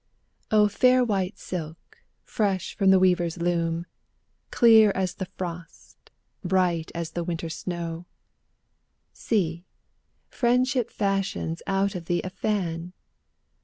O fair white silk, fresh from the weaver's loom, Clear as the frost, bright as the winter snow — See ! friendship fashions out of thee a fan.